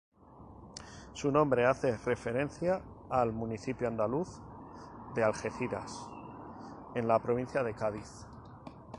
Su nombre hace referencia al municipio andaluz de Algeciras, en la provincia de Cádiz.